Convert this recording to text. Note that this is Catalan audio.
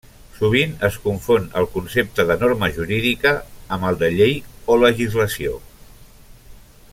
Sovint es confon el concepte de norma jurídica amb el de llei o legislació.